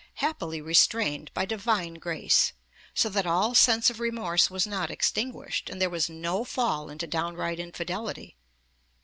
192), 'happily restrained by Divine Grace,' so that 'all sense of remorse was not extinguished,' and there was no fall into 'downright infidelity.'